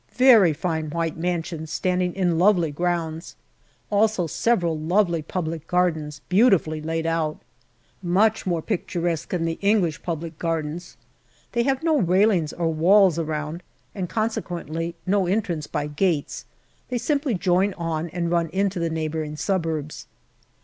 Very fine white mansions standing in lovely grounds. Also several lovely public gardens, beautifully laid out. Much more pictur esque than the English public gardens. They have no rail ings or walls around, and consequently no entrance by gates ; they simply join on and run into the neighbouring suburbs.